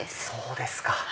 そうですか。